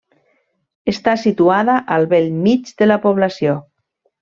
Està situada al bell mig de la població.